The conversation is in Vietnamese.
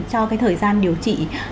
cho thời gian điều trị